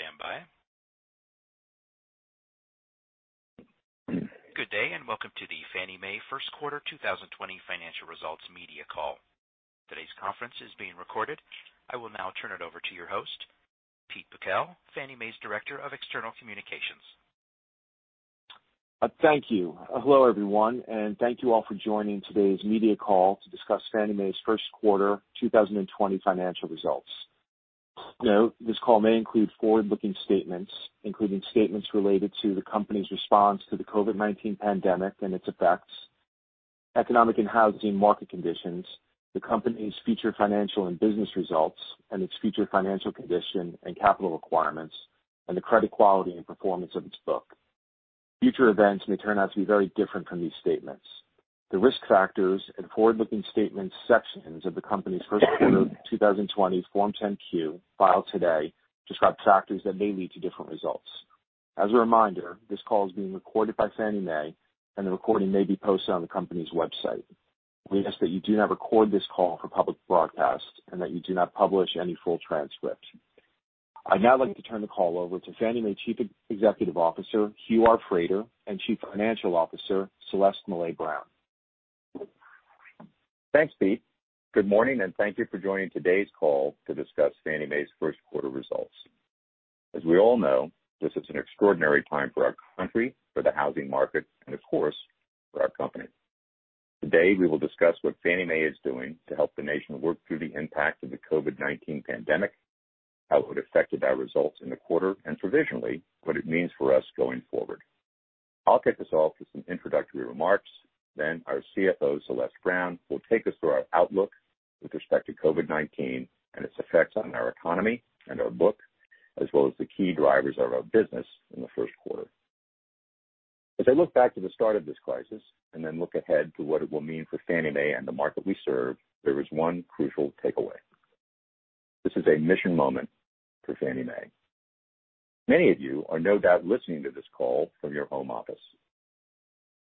Please stand by. Good day. Welcome to the Fannie Mae First Quarter 2020 Financial Results Media Call. Today's conference is being recorded. I will now turn it over to your host, Pete Bakel, Fannie Mae's Director of External Communications. Thank you. Hello, everyone, and thank you all for joining today's media call to discuss Fannie Mae's first quarter 2020 financial results. Note, this call may include forward-looking statements, including statements related to the company's response to the COVID-19 pandemic and its effects, economic and housing market conditions, the company's future financial and business results, and its future financial condition and capital requirements, and the credit quality and performance of its book. Future events may turn out to be very different from these statements. The Risk Factors and Forward-Looking Statements sections of the company's first quarter 2020 Form 10-Q, filed today, describe factors that may lead to different results. As a reminder, this call is being recorded by Fannie Mae, and the recording may be posted on the company's website. We ask that you do not record this call for public broadcast, and that you do not publish any full transcript. I'd now like to turn the call over to Fannie Mae Chief Executive Officer, Hugh R. Frater, and Chief Financial Officer, Celeste Mellet Brown. Thanks, Pete. Good morning, and thank you for joining today's call to discuss Fannie Mae's first quarter results. As we all know, this is an extraordinary time for our country, for the housing market, and of course, for our company. Today, we will discuss what Fannie Mae is doing to help the nation work through the impact of the COVID-19 pandemic, how it affected our results in the quarter, and provisionally, what it means for us going forward. I'll kick us off with some introductory remarks. Our CFO, Celeste Brown, will take us through our outlook with respect to COVID-19 and its effects on our economy and our book, as well as the key drivers of our business in the first quarter. As I look back to the start of this crisis and then look ahead to what it will mean for Fannie Mae and the market we serve, there is one crucial takeaway. This is a mission moment for Fannie Mae. Many of you are no doubt listening to this call from your home office.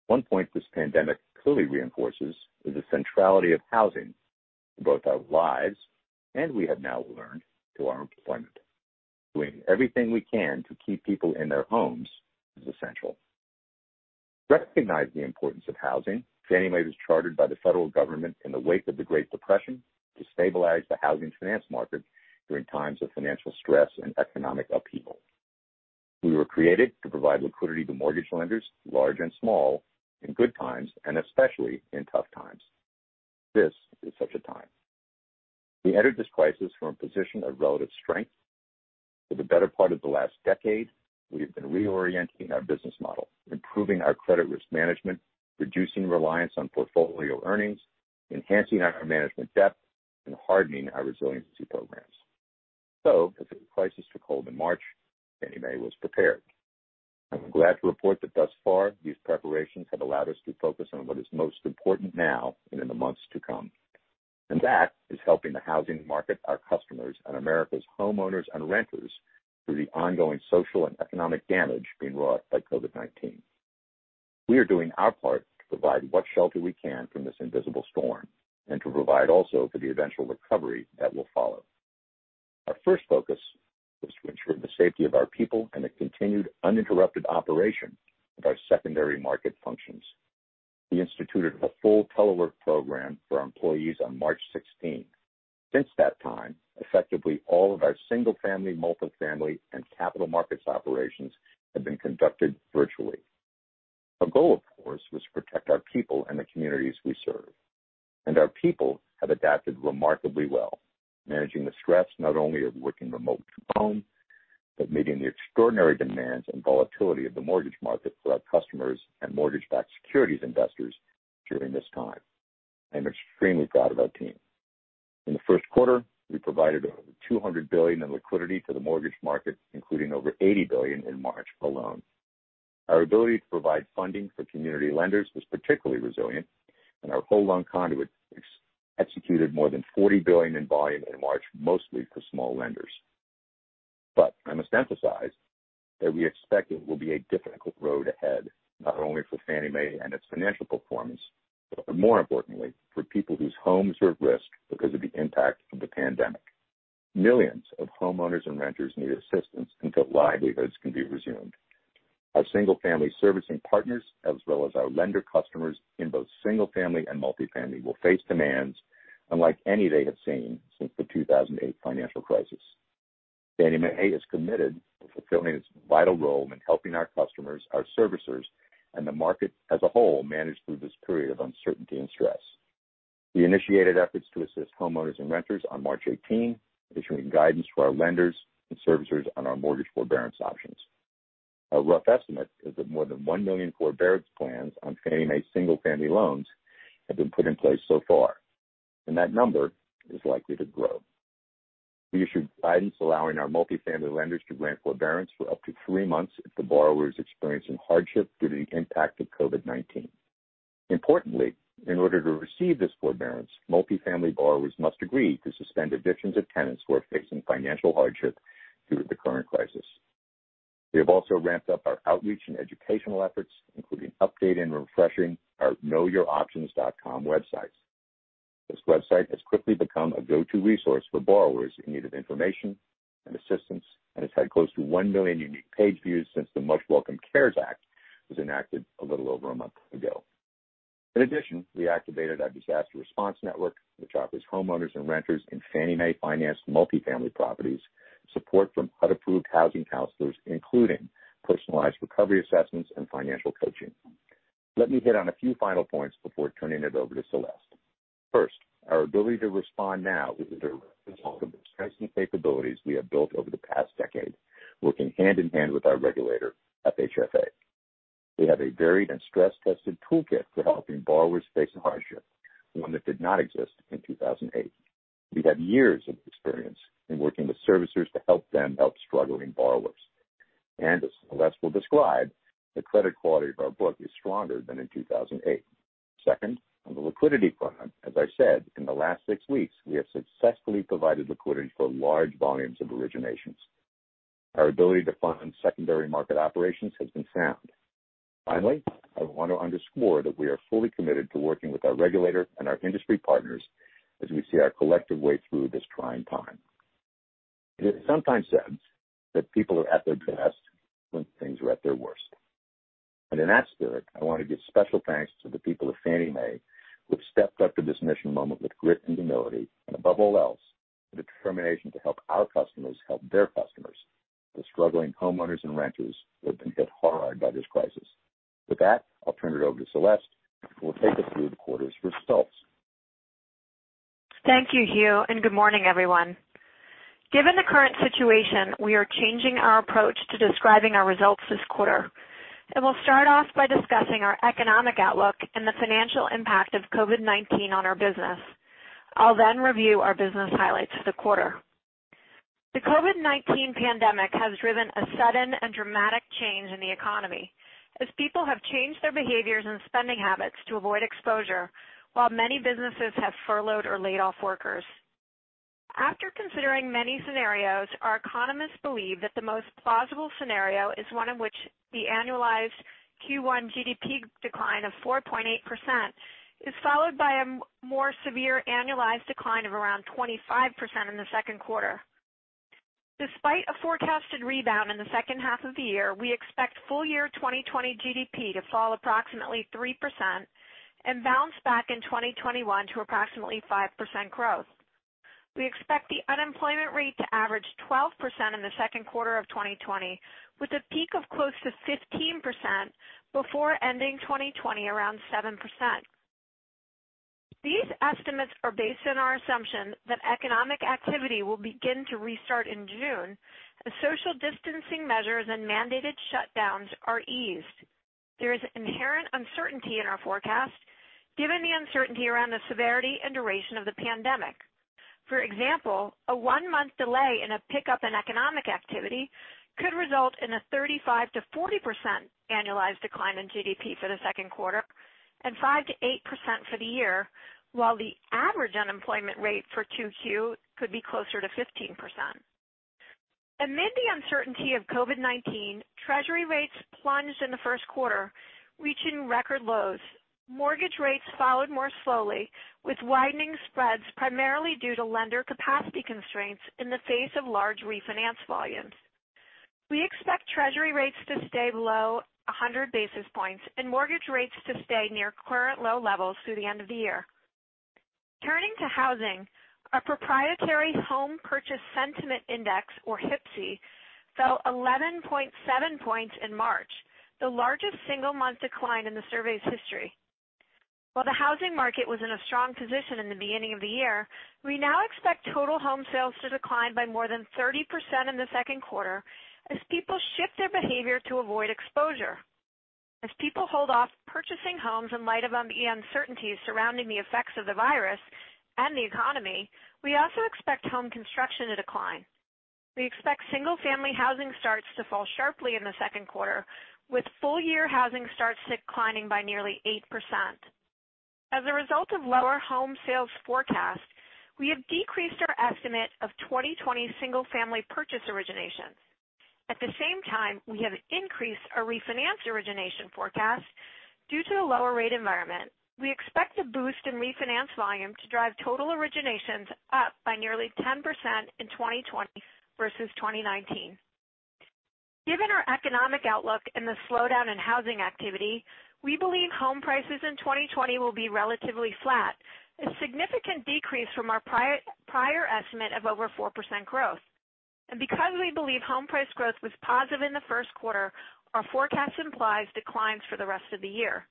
One point this pandemic clearly reinforces is the centrality of housing to both our lives and, we have now learned, to our employment. Doing everything we can to keep people in their homes is essential. To recognize the importance of housing, Fannie Mae was chartered by the federal government in the wake of the Great Depression to stabilize the housing finance market during times of financial stress and economic upheaval. We were created to provide liquidity to mortgage lenders, large and small, in good times and especially in tough times. This is such a time. We entered this crisis from a position of relative strength. For the better part of the last decade, we have been reorienting our business model, improving our credit risk management, reducing reliance on portfolio earnings, enhancing our management depth, and hardening our resiliency programs. As the crisis took hold in March, Fannie Mae was prepared. I'm glad to report that thus far, these preparations have allowed us to focus on what is most important now and in the months to come. That is helping the housing market, our customers, and America's homeowners and renters through the ongoing social and economic damage being wrought by COVID-19. We are doing our part to provide what shelter we can from this invisible storm and to provide also for the eventual recovery that will follow. Our first focus was to ensure the safety of our people and the continued uninterrupted operation of our secondary market functions. We instituted a full telework program for our employees on March 16th. Since that time, effectively all of our Single-Family, Multifamily, and capital markets operations have been conducted virtually. Our goal, of course, was to protect our people and the communities we serve. Our people have adapted remarkably well, managing the stress not only of working remote from home, but meeting the extraordinary demands and volatility of the mortgage market for our customers and mortgage-backed securities investors during this time. I am extremely proud of our team. In the first quarter, we provided over $200 billion in liquidity to the mortgage market, including over $80 billion in March alone. Our ability to provide funding for community lenders was particularly resilient, and our whole loan conduit executed more than $40 billion in volume in March, mostly for small lenders. I must emphasize that we expect it will be a difficult road ahead, not only for Fannie Mae and its financial performance, but more importantly, for people whose homes are at risk because of the impact of the pandemic. Millions of homeowners and renters need assistance until livelihoods can be resumed. Our Single-Family servicing partners, as well as our lender customers in both Single-Family and Multifamily, will face demands unlike any they have seen since the 2008 Financial Crisis. Fannie Mae is committed to fulfilling its vital role in helping our customers, our servicers, and the market as a whole manage through this period of uncertainty and stress. We initiated efforts to assist homeowners and renters on March 18, issuing guidance for our lenders and servicers on our mortgage forbearance options. Our rough estimate is that more than 1 million forbearance plans on Fannie Mae Single-Family loans have been put in place so far, and that number is likely to grow. We issued guidance allowing our Multifamily lenders to grant forbearance for up to three months if the borrower is experiencing hardship due to the impact of COVID-19. Importantly, in order to receive this forbearance, Multifamily borrowers must agree to suspend evictions of tenants who are facing financial hardship due to the current crisis. We have also ramped up our outreach and educational efforts, including updating and refreshing our knowyouroptions.com websites. This website has quickly become a go-to resource for borrowers in need of information and assistance, and has had close to 1 million unique page views since the much-welcome CARES Act was enacted a little over a month ago. In addition, we activated our Disaster Response Network, which offers homeowners and renters in Fannie Mae-financed Multifamily properties support from HUD-approved housing counselors, including personalized recovery assessments and financial coaching. Let me hit on a few final points before turning it over to Celeste. First, our ability to respond now is a direct result of the strengthening capabilities we have built over the past decade, working hand-in-hand with our regulator at FHFA. We have a varied and stress-tested toolkit for helping borrowers face hardship, one that did not exist in 2008. We have years of experience in working with servicers to help them help struggling borrowers. As Celeste will describe, the credit quality of our book is stronger than in 2008. Second, on the liquidity front, as I said, in the last six weeks, we have successfully provided liquidity for large volumes of originations. Our ability to fund secondary market operations has been sound. Finally, I want to underscore that we are fully committed to working with our regulator and our industry partners as we see our collective way through this trying time. It sometimes says that people are at their best when things are at their worst. In that spirit, I want to give special thanks to the people of Fannie Mae who have stepped up to this mission moment with grit and humility, and above all else, the determination to help our customers help their customers, the struggling homeowners and renters who have been hit hard by this crisis. With that, I'll turn it over to Celeste, who will take us through the quarter's results. Thank you, Hugh. Good morning, everyone. Given the current situation, we are changing our approach to describing our results this quarter. We'll start off by discussing our economic outlook and the financial impact of COVID-19 on our business. I'll review our business highlights for the quarter. The COVID-19 pandemic has driven a sudden and dramatic change in the economy as people have changed their behaviors and spending habits to avoid exposure while many businesses have furloughed or laid off workers. After considering many scenarios, our economists believe that the most plausible scenario is one in which the annualized Q1 GDP decline of 4.8% is followed by a more severe annualized decline of around 25% in the second quarter. Despite a forecasted rebound in the second half of the year, we expect full-year 2020 GDP to fall approximately 3% and bounce back in 2021 to approximately 5% growth. We expect the unemployment rate to average 12% in the second quarter of 2020, with a peak of close to 15% before ending 2020 around 7%. These estimates are based on our assumption that economic activity will begin to restart in June as social distancing measures and mandated shutdowns are eased. There is inherent uncertainty in our forecast given the uncertainty around the severity and duration of the pandemic. For example, a one-month delay in a pickup in economic activity could result in a 35% to 40% annualized decline in GDP for the second quarter and 5% to 8% for the year, while the average unemployment rate for 2Q could be closer to 15%. Amid the uncertainty of COVID-19, Treasury rates plunged in the first quarter, reaching record lows. Mortgage rates followed more slowly, with widening spreads primarily due to lender capacity constraints in the face of large refinance volumes. We expect Treasury rates to stay below 100 basis points and mortgage rates to stay near current low levels through the end of the year. Turning to housing, our proprietary Home Purchase Sentiment Index, or HPSI, fell 11.7 points in March, the largest single-month decline in the survey's history. While the housing market was in a strong position in the beginning of the year, we now expect total home sales to decline by more than 30% in the second quarter as people shift their behavior to avoid exposure. As people hold off purchasing homes in light of uncertainties surrounding the effects of the virus and the economy, we also expect home construction to decline. We expect Single-Family housing starts to fall sharply in the second quarter, with full-year housing starts declining by nearly 8%. As a result of lower home sales forecast, we have decreased our estimate of 2020 Single-Family purchase originations. At the same time, we have increased our refinance origination forecast due to the lower rate environment. We expect a boost in refinance volume to drive total originations up by nearly 10% in 2020 versus 2019. Given our economic outlook and the slowdown in housing activity, we believe home prices in 2020 will be relatively flat, a significant decrease from our prior estimate of over 4% growth. Because we believe home price growth was positive in the first quarter, our forecast implies declines for the rest of the year.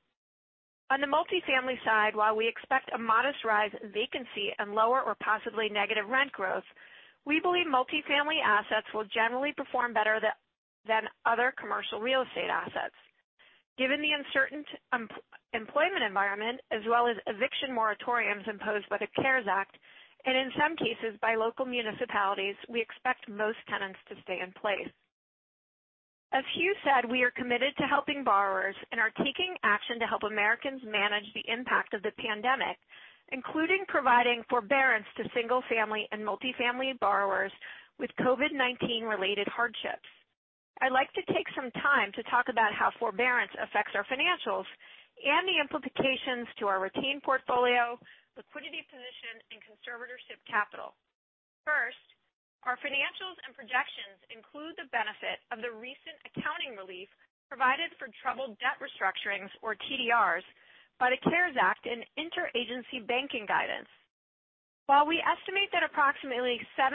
On the Multifamily side, while we expect a modest rise in vacancy and lower or possibly negative rent growth, we believe Multifamily assets will generally perform better than other commercial real estate assets. Given the uncertain employment environment as well as eviction moratoriums imposed by the CARES Act, and in some cases, by local municipalities, we expect most tenants to stay in place. Hugh said we are committed to helping borrowers and are taking action to help Americans manage the impact of the pandemic, including providing forbearance to Single-Family and Multifamily borrowers with COVID-19 related hardships. I'd like to take some time to talk about how forbearance affects our financials and the implications to our retained portfolio, liquidity position, and conservatorship capital. First, our financials and projections include the benefit of the recent accounting relief provided for troubled debt restructurings, or TDRs, by the CARES Act and Interagency Banking Guidance. While we estimate that approximately 7%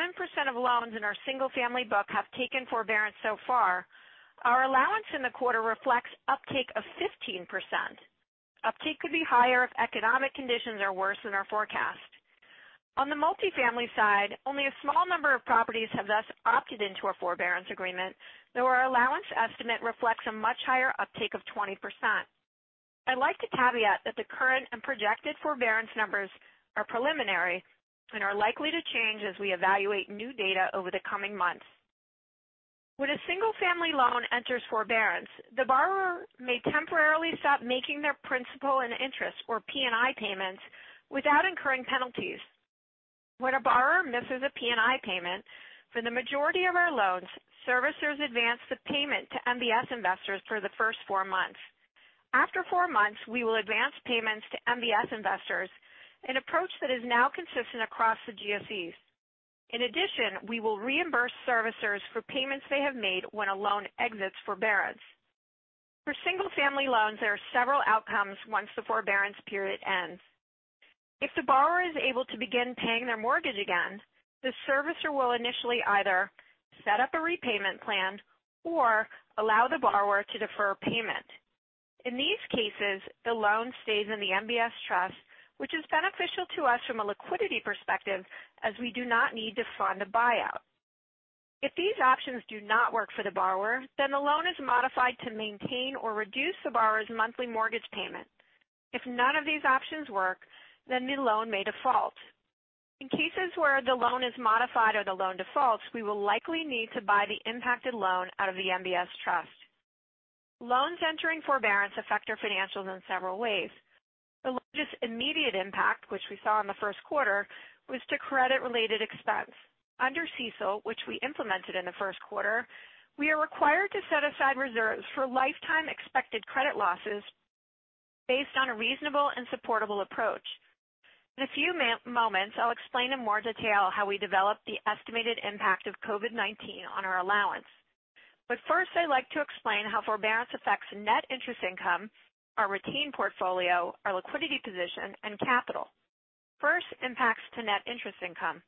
of loans in our Single-Family book have taken forbearance so far, our allowance in the quarter reflects uptake of 15%. Uptake could be higher if economic conditions are worse than our forecast. On the Multifamily side, only a small number of properties have thus opted into a forbearance agreement, though our allowance estimate reflects a much higher uptake of 20%. I'd like to caveat that the current and projected forbearance numbers are preliminary and are likely to change as we evaluate new data over the coming months. When a Single-Family loan enters forbearance, the borrower may temporarily stop making their principal and interest, or P&I payments, without incurring penalties. When a borrower misses a P&I payment, for the majority of our loans, servicers advance the payment to MBS investors for the first four months. After four months, we will advance payments to MBS investors, an approach that is now consistent across the GSEs. In addition, we will reimburse servicers for payments they have made when a loan exits forbearance. For Single-Family loans, there are several outcomes once the forbearance period ends. If the borrower is able to begin paying their mortgage again, the servicer will initially either set up a repayment plan or allow the borrower to defer a payment. In these cases, the loan stays in the MBS trust, which is beneficial to us from a liquidity perspective as we do not need to fund a buyout. If these options do not work for the borrower, then the loan is modified to maintain or reduce the borrower's monthly mortgage payment. If none of these options work, then the loan may default. In cases where the loan is modified or the loan defaults, we will likely need to buy the impacted loan out of the MBS trust. Loans entering forbearance affect our financials in several ways. The largest immediate impact, which we saw in the first quarter, was to credit-related expense. Under CECL, which we implemented in the first quarter, we are required to set aside reserves for lifetime expected credit losses based on a reasonable and supportable approach. In a few moments, I'll explain in more detail how we developed the estimated impact of COVID-19 on our allowance. First, I'd like to explain how forbearance affects net interest income, our retained portfolio, our liquidity position, and capital. First, impacts to net interest income.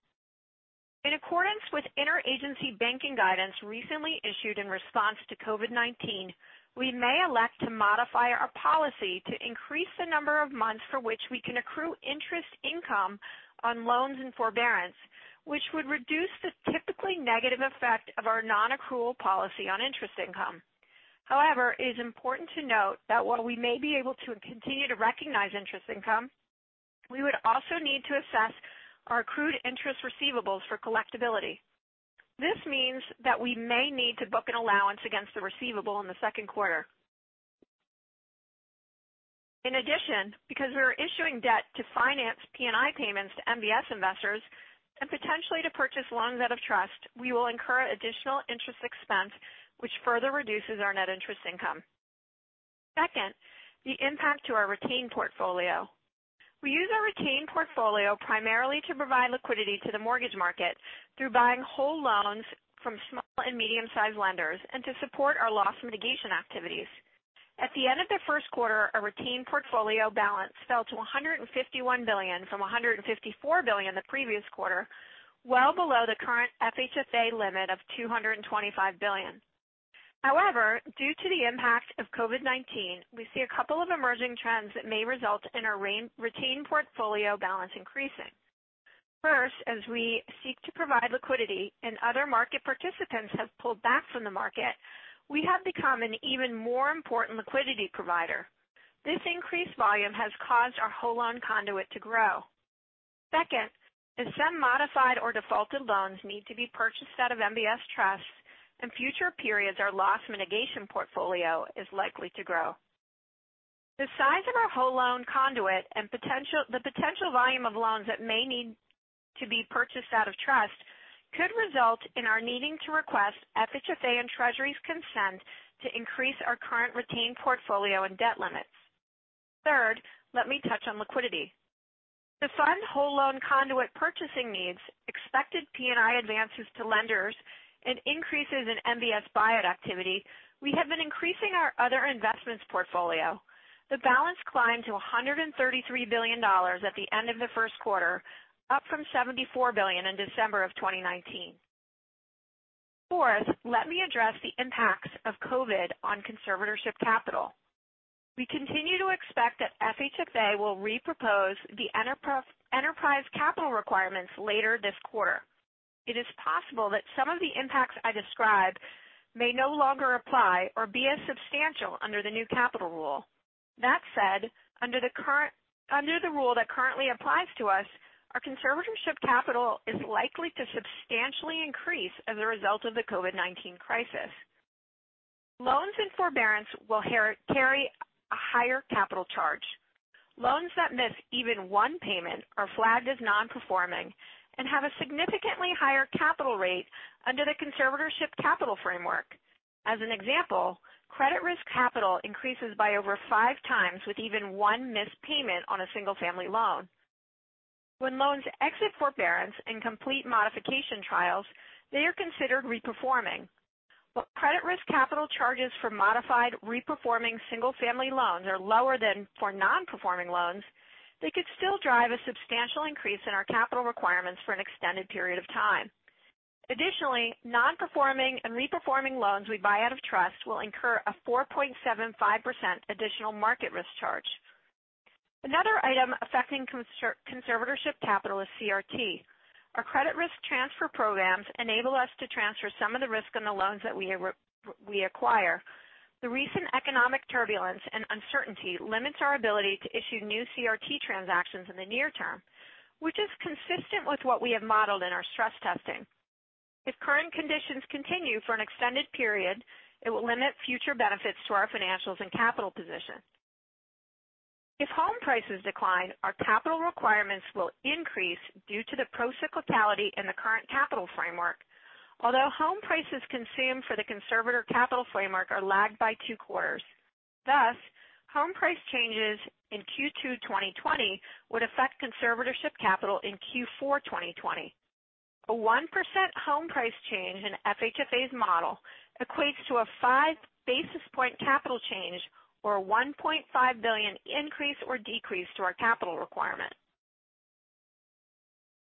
In accordance with interagency banking guidance recently issued in response to COVID-19, we may elect to modify our policy to increase the number of months for which we can accrue interest income on loans in forbearance, which would reduce the typically negative effect of our non-accrual policy on interest income. However, it is important to note that while we may be able to continue to recognize interest income, we would also need to assess our accrued interest receivables for collectability. This means that we may need to book an allowance against the receivable in the second quarter. Because we are issuing debt to finance P&I payments to MBS investors and potentially to purchase loans out of trust, we will incur additional interest expense, which further reduces our net interest income. Second, the impact to our retained portfolio. We use our retained portfolio primarily to provide liquidity to the mortgage market through buying whole loans from small and medium-sized lenders and to support our loss mitigation activities. At the end of the first quarter, our retained portfolio balance fell to $151 billion from $154 billion the previous quarter, well below the current FHFA limit of $225 billion. However, due to the impact of COVID-19, we see a couple of emerging trends that may result in our retained portfolio balance increasing. First, as we seek to provide liquidity and other market participants have pulled back from the market, we have become an even more important liquidity provider. This increased volume has caused our whole loan conduit to grow. Second, if some modified or defaulted loans need to be purchased out of MBS trusts, in future periods, our loss mitigation portfolio is likely to grow. The size of our whole loan conduit and the potential volume of loans that may need to be purchased out of trust could result in our needing to request FHFA and Treasury's consent to increase our current retained portfolio and debt limits. Third, let me touch on liquidity. To fund whole loan conduit purchasing needs, expected P&I advances to lenders, and increases in MBS buyout activity, we have been increasing our other investments portfolio. The balance climbed to $133 billion at the end of the first quarter, up from $74 billion in December of 2019. Fourth, let me address the impacts of COVID on conservatorship capital. We continue to expect that FHFA will repropose the enterprise capital requirements later this quarter. It is possible that some of the impacts I described may no longer apply or be as substantial under the new capital rule. That said, under the rule that currently applies to us, our conservatorship capital is likely to substantially increase as a result of the COVID-19 crisis. Loans in forbearance will carry a higher capital charge. Loans that miss even one payment are flagged as non-performing and have a significantly higher capital rate under the conservatorship capital framework. As an example, credit risk capital increases by over five times with even one missed payment on a Single-Family loan. When loans exit forbearance and complete modification trials, they are considered re-performing. While credit risk capital charges for modified re-performing Single-Family loans are lower than for non-performing loans, they could still drive a substantial increase in our capital requirements for an extended period of time. Additionally, non-performing and re-performing loans we buy out of trust will incur a 4.75% additional market risk charge. Another item affecting conservatorship capital is CRT. Our credit risk transfer programs enable us to transfer some of the risk on the loans that we acquire. The recent economic turbulence and uncertainty limits our ability to issue new CRT transactions in the near term, which is consistent with what we have modeled in our stress testing. If current conditions continue for an extended period, it will limit future benefits to our financials and capital position. If home prices decline, our capital requirements will increase due to the procyclicality in the current capital framework. Although home prices consumed for the conservatorship capital framework are lagged by two quarters. Thus, home price changes in Q2 2020 would affect conservatorship capital in Q4 2020. A 1% home price change in FHFA's model equates to a 5 basis point capital change or a $1.5 billion increase or decrease to our capital requirement.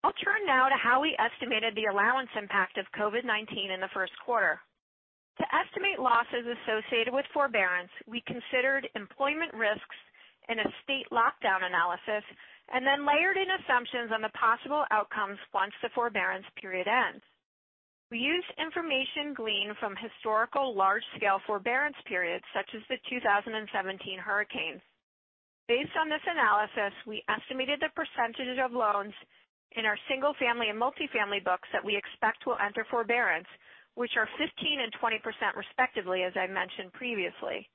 I'll turn now to how we estimated the allowance impact of COVID-19 in the first quarter. To estimate losses associated with forbearance, we considered employment risks in a state lockdown analysis and then layered in assumptions on the possible outcomes once the forbearance period ends. We used information gleaned from historical large-scale forbearance periods, such as the 2017 hurricanes. Based on this analysis, we estimated the percentage of loans in our Single-Family and Multifamily books that we expect will enter forbearance, which are 15% and 20%, respectively, as I mentioned previously.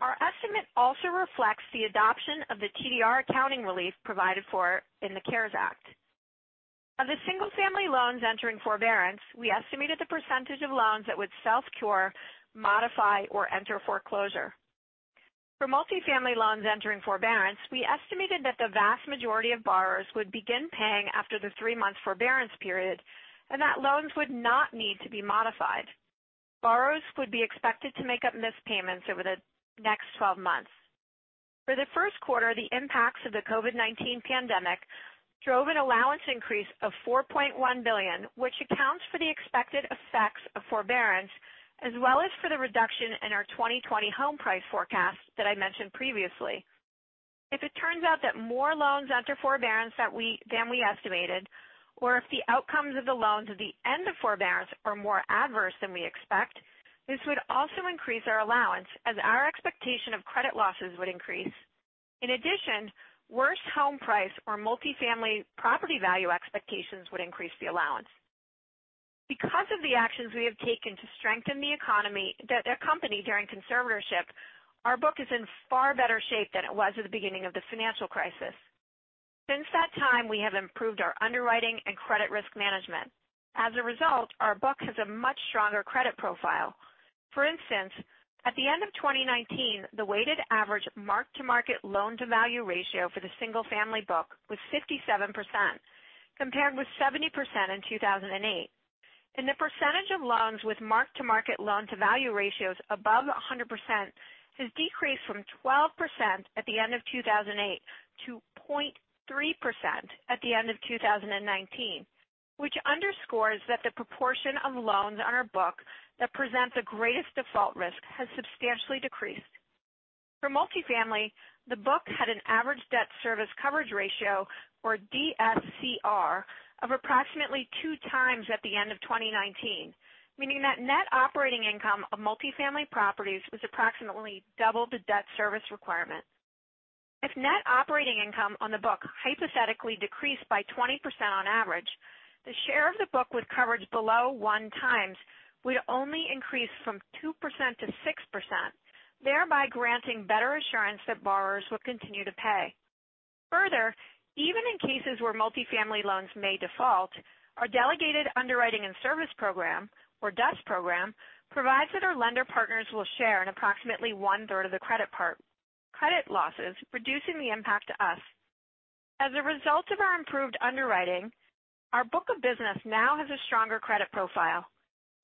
Our estimate also reflects the adoption of the TDR accounting relief provided for in the CARES Act. Of the Single-Family loans entering forbearance, we estimated the percentage of loans that would self-cure, modify, or enter foreclosure. For Multifamily loans entering forbearance, we estimated that the vast majority of borrowers would begin paying after the three-month forbearance period, and that loans would not need to be modified. Borrowers would be expected to make up missed payments over the next 12 months. For the first quarter, the impacts of the COVID-19 pandemic drove an allowance increase of $4.1 billion, which accounts for the expected effects of forbearance, as well as for the reduction in our 2020 home price forecast that I mentioned previously. If it turns out that more loans enter forbearance than we estimated, or if the outcomes of the loans at the end of forbearance are more adverse than we expect, this would also increase our allowance as our expectation of credit losses would increase. In addition, worse home price or Multifamily property value expectations would increase the allowance. Because of the actions we have taken to strengthen the economy during conservatorship, our book is in far better shape than it was at the beginning of the financial crisis. Since that time, we have improved our underwriting and credit risk management. As a result, our book has a much stronger credit profile. For instance, at the end of 2019, the weighted average mark-to-market loan-to-value ratio for the Single-Family book was 57%, compared with 70% in 2008. The percentage of loans with mark-to-market loan-to-value ratios above 100% has decreased from 12% at the end of 2008 to 0.3% at the end of 2019, which underscores that the proportion of loans on our book that present the greatest default risk has substantially decreased. For Multifamily, the book had an average debt service coverage ratio, or DSCR, of approximately 2x at the end of 2019, meaning that net operating income of Multifamily properties was approximately double the debt service requirement. If net operating income on the book hypothetically decreased by 20% on average, the share of the book with coverage below one times would only increase from 2% to 6%, thereby granting better assurance that borrowers will continue to pay. Further, even in cases where Multifamily loans may default, our Delegated Underwriting and Servicing program, or DUS program, provides that our lender partners will share in approximately one-third of the credit losses, reducing the impact to us. As a result of our improved underwriting, our book of business now has a stronger credit profile.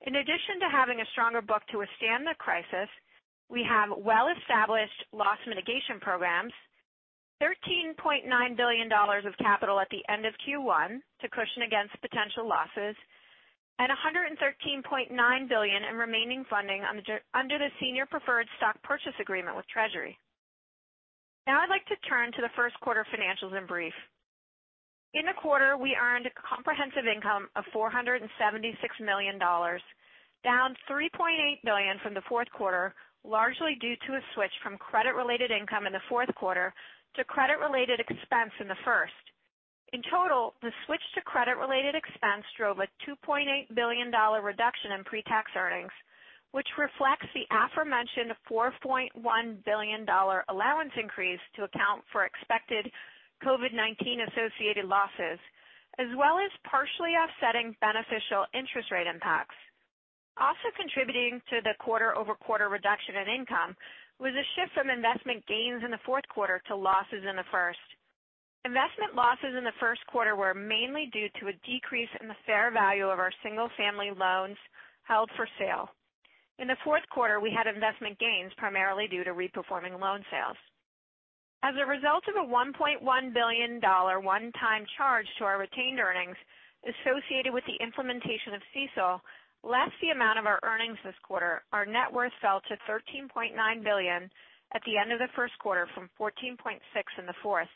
In addition to having a stronger book to withstand the crisis, we have well-established loss mitigation programs, $13.9 billion of capital at the end of Q1 to cushion against potential losses, and $113.9 billion in remaining funding under the Senior Preferred Stock Purchase Agreement with Treasury. Now I'd like to turn to the first quarter financials in brief. In the quarter, we earned a comprehensive income of $476 million, down $3.8 billion from the fourth quarter, largely due to a switch from credit-related income in the fourth quarter to credit-related expense in the first. In total, the switch to credit-related expense drove a $2.8 billion reduction in pre-tax earnings, which reflects the aforementioned $4.1 billion allowance increase to account for expected COVID-19 associated losses, as well as partially offsetting beneficial interest rate impacts. Also contributing to the quarter-over-quarter reduction in income was a shift from investment gains in the fourth quarter to losses in the first. Investment losses in the first quarter were mainly due to a decrease in the fair value of our Single-Family loans held for sale. In the fourth quarter, we had investment gains, primarily due to re-performing loan sales. As a result of a $1.1 billion one-time charge to our retained earnings associated with the implementation of CECL, less the amount of our earnings this quarter, our net worth fell to $13.9 billion at the end of the first quarter from $14.6 billion in the fourth.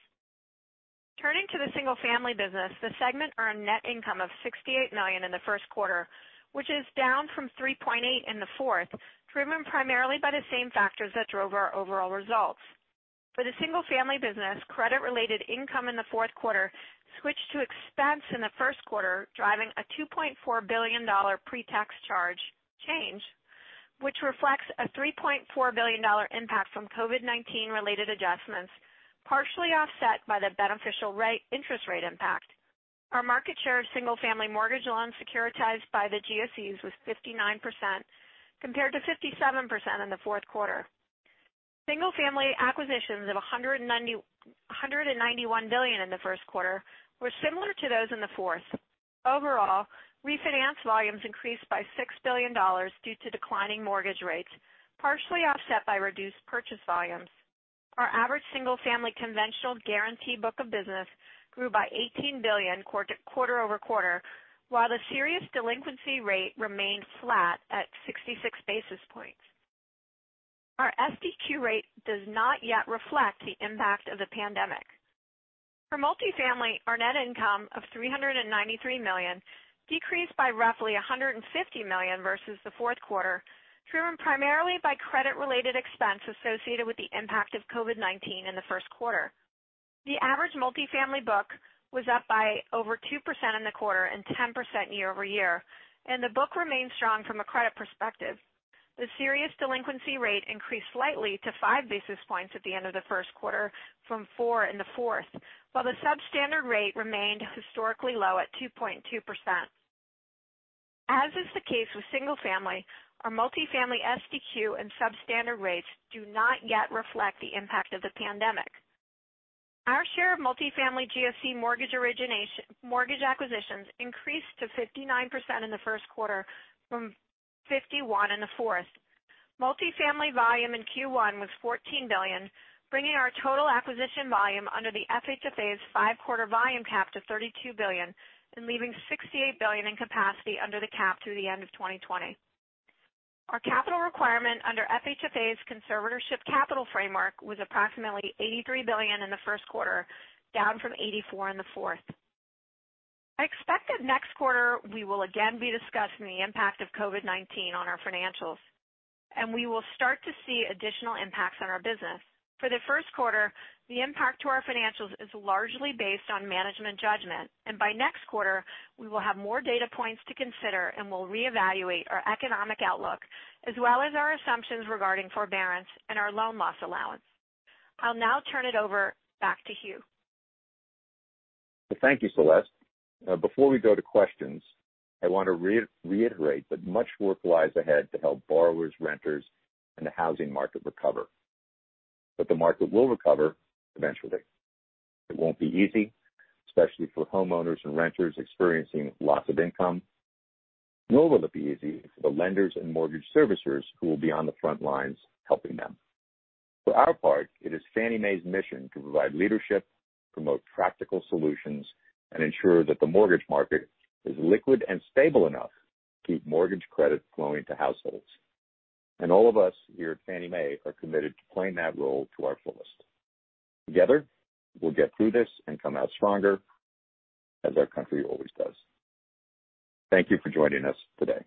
Turning to the Single-Family business, the segment earned net income of $68 million in the first quarter, which is down from $3.8 billion in the fourth, driven primarily by the same factors that drove our overall results. For the Single-Family business, credit-related income in the fourth quarter switched to expense in the first quarter, driving a $2.4 billion pre-tax charge change, which reflects a $3.4 billion impact from COVID-19 related adjustments, partially offset by the beneficial interest rate impact. Our market share of Single-Family mortgage loans securitized by the GSEs was 59%, compared to 57% in the fourth quarter. Single-Family acquisitions of $191 billion in the first quarter were similar to those in the fourth. Overall, refinance volumes increased by $6 billion due to declining mortgage rates, partially offset by reduced purchase volumes. Our average Single-Family conventional guaranteed book of business grew by $18 billion quarter-over-quarter, while the serious delinquency rate remained flat at 66 basis points. Our SDQ rate does not yet reflect the impact of the pandemic. For Multifamily, our net income of $393 million decreased by roughly $150 million versus the fourth quarter, driven primarily by credit-related expense associated with the impact of COVID-19 in the first quarter. The average Multifamily book was up by over 2% in the quarter and 10% year-over-year, and the book remained strong from a credit perspective. The serious delinquency rate increased slightly to 5 basis points at the end of the first quarter from four in the fourth, while the substandard rate remained historically low at 2.2%. As is the case with Single-Family, our Multifamily SDQ and substandard rates do not yet reflect the impact of the pandemic. Our share of Multifamily GSE mortgage acquisitions increased to 59% in the first quarter from 51 in the fourth. Multifamily volume in Q1 was $14 billion, bringing our total acquisition volume under the FHFA's five-quarter volume cap to $32 billion and leaving $68 billion in capacity under the cap through the end of 2020. Our capital requirement under FHFA's conservatorship capital Framework was approximately $83 billion in the first quarter, down from $84 in the fourth. I expect that next quarter we will again be discussing the impact of COVID-19 on our financials, and we will start to see additional impacts on our business. For the first quarter, the impact to our financials is largely based on management judgment, and by next quarter, we will have more data points to consider and will reevaluate our economic outlook, as well as our assumptions regarding forbearance and our loan loss allowance. I'll now turn it over back to Hugh. Thank you, Celeste. Before we go to questions, I want to reiterate that much work lies ahead to help borrowers, renters, and the housing market recover. The market will recover eventually. It won't be easy, especially for homeowners and renters experiencing loss of income, nor will it be easy for the lenders and mortgage servicers who will be on the front lines helping them. For our part, it is Fannie Mae's mission to provide leadership, promote practical solutions, and ensure that the mortgage market is liquid and stable enough to keep mortgage credit flowing to households. All of us here at Fannie Mae are committed to playing that role to our fullest. Together, we'll get through this and come out stronger as our country always does. Thank you for joining us today.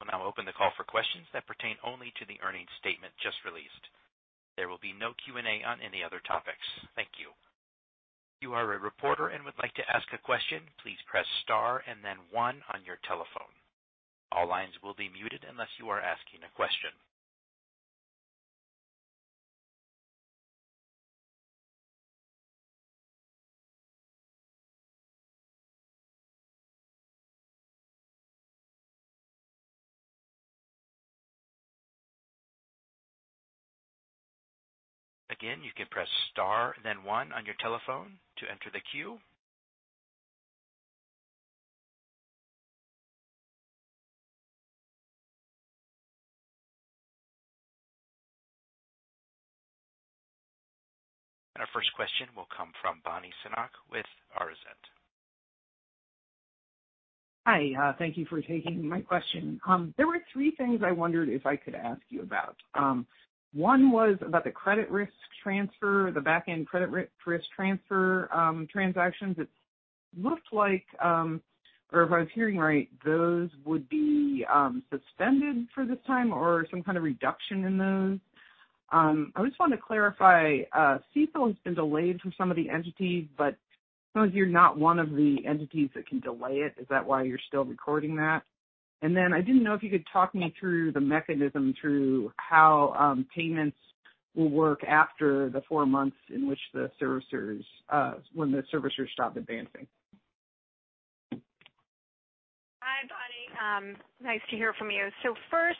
We'll now open the call for questions that pertain only to the earnings statement just released. There will be no Q&A on any other topics. Thank you. If you are a reporter and would like to ask a question, please press star and then one on your telephone. All lines will be muted unless you are asking a question. Again, you can press star and then one on your telephone to enter the queue. Our first question will come from Bonnie Sinnock with [National Mortgage News]. Hi. Thank you for taking my question. There were three things I wondered if I could ask you about. One was about the credit risk transfer, the back-end credit risk transfer transactions. It looked like, or if I was hearing right, those would be suspended for this time or some kind of reduction in those. I just want to clarify, CECL has been delayed for some of the entities, but it sounds you're not one of the entities that can delay it. Is that why you're still recording that? I didn't know if you could talk me through the mechanism through how payments will work after the four months when the servicers stop advancing. Hi, Bonnie. Nice to hear from you. First,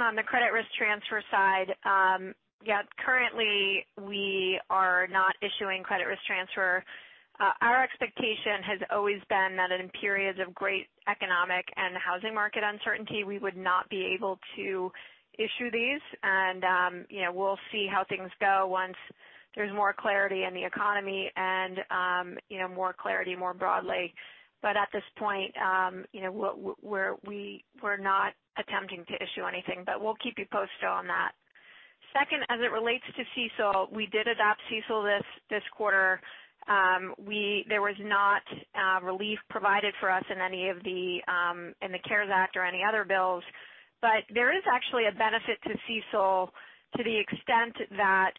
on the credit risk transfer side. Yeah, currently we are not issuing credit risk transfer. Our expectation has always been that in periods of great economic and housing market uncertainty, we would not be able to issue these. We'll see how things go once there's more clarity in the economy and more clarity more broadly. At this point, we're not attempting to issue anything, but we'll keep you posted on that. Second, as it relates to CECL, we did adopt CECL this quarter. There was not relief provided for us in the CARES Act or any other bills. There is actually a benefit to CECL to the extent that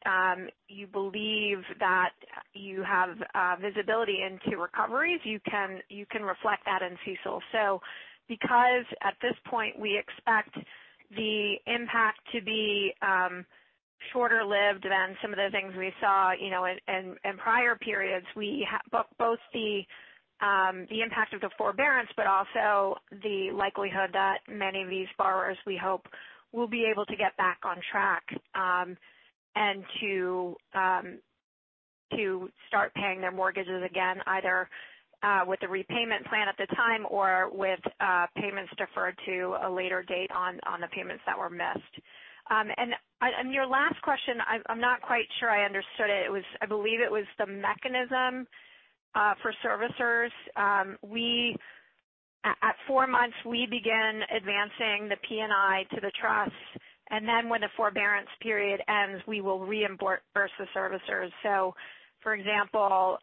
you believe that you have visibility into recoveries. You can reflect that in CECL. Because at this point, we expect the impact to be shorter-lived than some of the things we saw in prior periods, both the impact of the forbearance, but also the likelihood that many of these borrowers, we hope, will be able to get back on track, and to start paying their mortgages again, either with the repayment plan at the time or with payments deferred to a later date on the payments that were missed. On your last question, I'm not quite sure I understood it. I believe it was the mechanism for servicers. At four months, we begin advancing the P&I to the trust, and then when the forbearance period ends, we will reimburse the servicers. For example,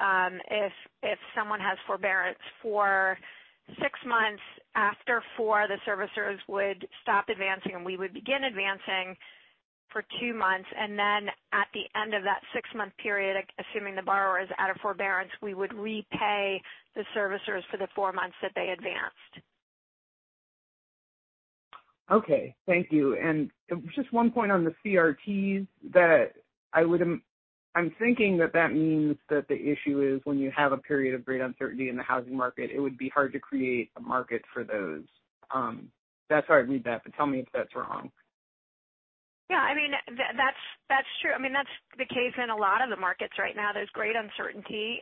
if someone has forbearance for six months, after four, the servicers would stop advancing, and we would begin advancing for two months. At the end of that six-month period, assuming the borrower is out of forbearance, we would repay the servicers for the four months that they advanced. Okay. Thank you. Just one point on the CRTs that I'm thinking that means that the issue is when you have a period of great uncertainty in the housing market, it would be hard to create a market for those. That's how I read that, but tell me if that's wrong. Yeah. That's true. That's the case in a lot of the markets right now. There's great uncertainty.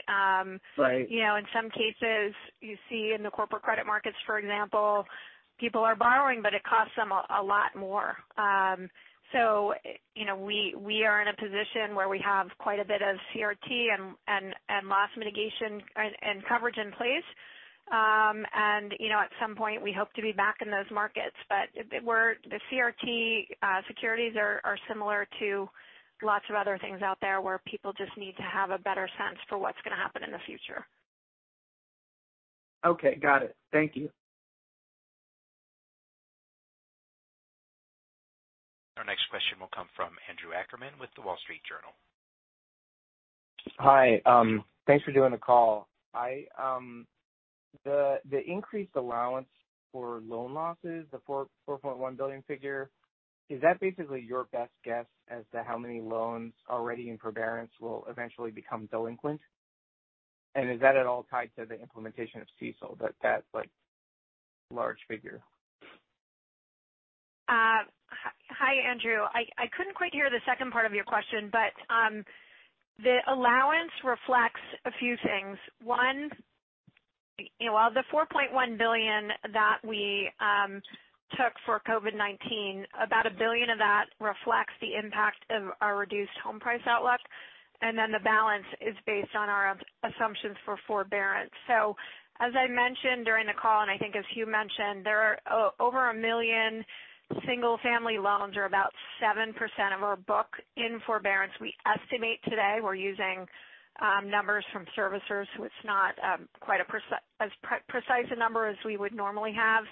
Right. In some cases, you see in the corporate credit markets, for example, people are borrowing, but it costs them a lot more. We are in a position where we have quite a bit of CRT and loss mitigation and coverage in place. At some point, we hope to be back in those markets. The CRT securities are similar to lots of other things out there where people just need to have a better sense for what's going to happen in the future. Okay. Got it. Thank you. Our next question will come from Andrew Ackerman with The Wall Street Journal. Hi. Thanks for doing the call. The increased allowance for loan losses, the $4.1 billion figure, is that basically your best guess as to how many loans already in forbearance will eventually become delinquent? Is that at all tied to the implementation of CECL, that large figure? Hi, Andrew. I couldn't quite hear the second part of your question, The allowance reflects a few things. One, of the $4.1 billion that we took for COVID-19, about $1 billion of that reflects the impact of our reduced home price outlook, the balance is based on our assumptions for forbearance. As I mentioned during the call, and I think as Hugh mentioned, there are over 1 million Single-Family loans or about 7% of our book in forbearance. We estimate today we're using numbers from servicers who it's not quite as precise a number as we would normally have.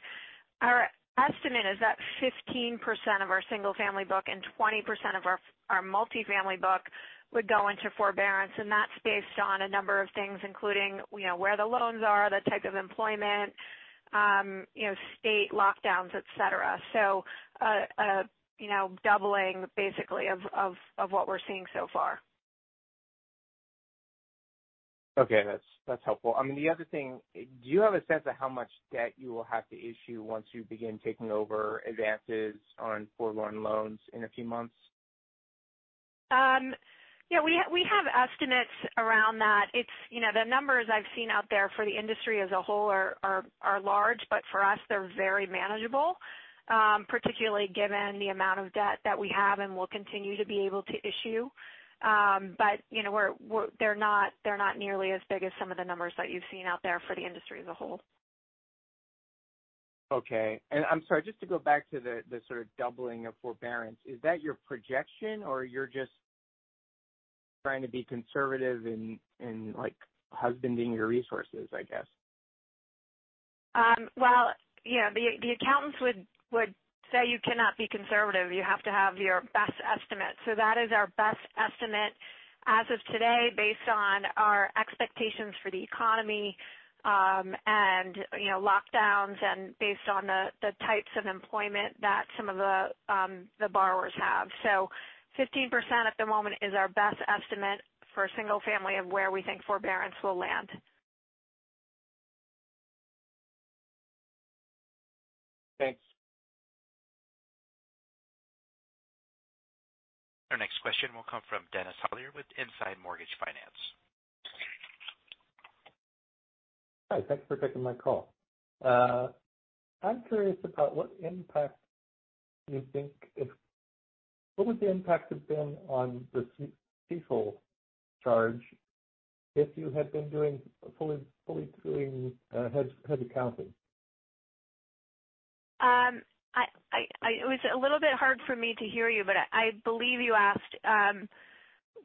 Our estimate is that 15% of our Single-Family book and 20% of our Multifamily book would go into forbearance, and that's based on a number of things, including where the loans are, the type of employment, state lockdowns, et cetera. Doubling basically of what we're seeing so far. Okay. That's helpful. The other thing, do you have a sense of how much debt you will have to issue once you begin taking over advances on foregone loans in a few months? We have estimates around that. The numbers I've seen out there for the industry as a whole are large, but for us, they're very manageable, particularly given the amount of debt that we have and will continue to be able to issue. They're not nearly as big as some of the numbers that you've seen out there for the industry as a whole. Okay. I'm sorry, just to go back to the sort of doubling of forbearance, is that your projection? Or you're just trying to be conservative and husbanding your resources, I guess? Well, the accountants would say you cannot be conservative. You have to have your best estimate. That is our best estimate as of today based on our expectations for the economy, and lockdowns and based on the types of employment that some of the borrowers have. 15% at the moment is our best estimate for Single-Family of where we think forbearance will land. Thanks. Our next question will come from Dennis Hollier with Inside Mortgage Finance. Hi. Thanks for taking my call. I'm curious about what would the impact have been on the CECL charge if you had been fully doing hedge accounting? It was a little bit hard for me to hear you, but I believe you asked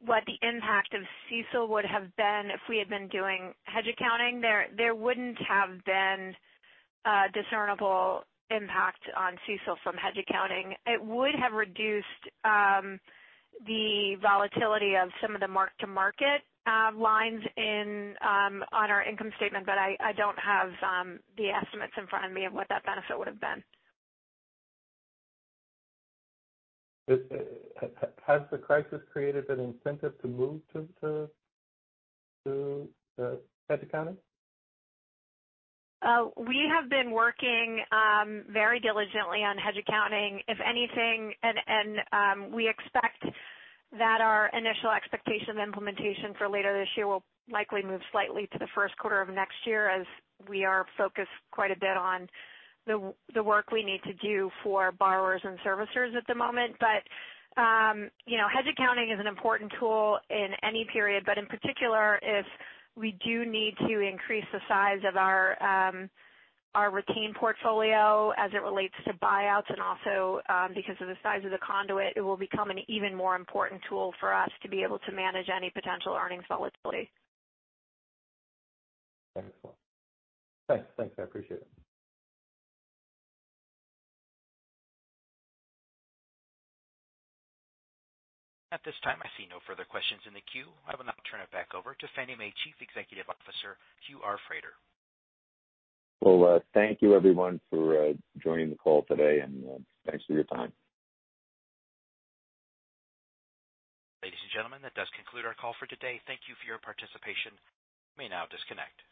what the impact of CECL would have been if we had been doing hedge accounting. There wouldn't have been a discernible impact on CECL from hedge accounting. It would have reduced the volatility of some of the mark-to-market lines on our income statement, but I don't have the estimates in front of me of what that benefit would've been. Has the crisis created an incentive to move to hedge accounting? We have been working very diligently on hedge accounting. If anything, we expect that our initial expectation of implementation for later this year will likely move slightly to the first quarter of next year as we are focused quite a bit on the work we need to do for borrowers and servicers at the moment. Hedge accounting is an important tool in any period, but in particular, if we do need to increase the size of our retained portfolio as it relates to buyouts and also because of the size of the conduit, it will become an even more important tool for us to be able to manage any potential earnings volatility. Thanks. I appreciate it. At this time, I see no further questions in the queue. I will now turn it back over to Fannie Mae Chief Executive Officer, Hugh R. Frater. Well, thank you everyone for joining the call today, and thanks for your time. Ladies and gentlemen, that does conclude our call for today. Thank you for your participation. You may now disconnect.